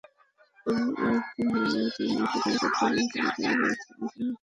অন্য আরেকটি মামলায় দুই মাস ধরে চট্টগ্রাম কারাগারে রয়েছে আসামি আজিজুল হক।